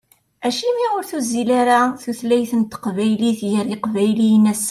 Acimi ur tuzzil ara tutlayt n teqbaylit gar yiqbayliyen ass-a?